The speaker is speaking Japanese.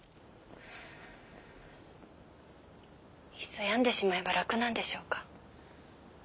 いっそ病んでしまえば楽なんでしょうか？